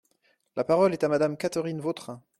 La parole est à Madame Catherine Vautrin.